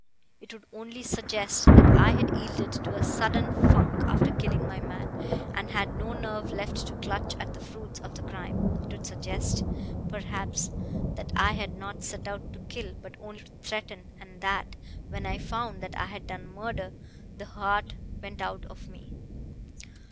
It would only suggest that I had yielded to a sudden funk after killing my man, and had no nerve left to clutch at the fruits of the crime; it would suggest, perhaps, that I had not set out to kill but only to threaten, and that, when I found that I had done murder, the heart went out of me.